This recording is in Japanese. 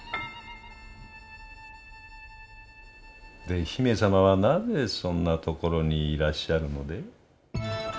で姫様はなぜそんな所にいらっしゃるので？